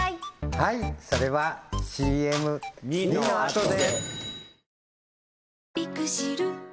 はいそれはＣＭ②のあとで！